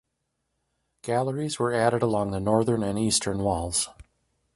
Galleries were added along the northern and eastern walls.